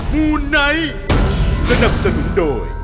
มูไนท์สนับสนุนโดย